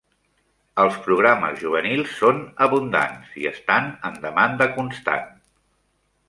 Els programes juvenils són abundants i estan en demanda constant.